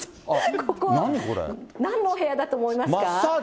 ここはなんの部屋だと思いますか？